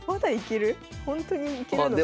ほんとにいけるのか？